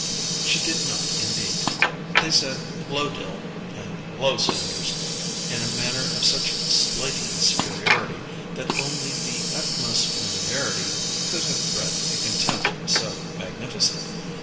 She did not, indeed. They said "H'lo, Dill" and "H'lo Sanders" in a manner of such slighting superiority that only the utmost familiarity could have bred a contempt so magnificent.